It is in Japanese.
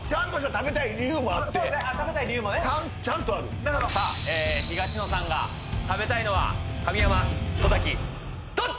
食べたい理由もねちゃんとあるさあ東野さんが食べたいのは神山小瀧どっち？